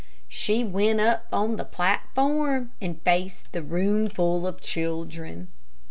She went up on the platform, and faced the roomful of children.